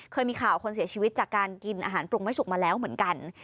เคยมีข่าวคนเสียชีวิตจากการกินอาหารปรุงไม่สุกมาแล้วเหมือนกัน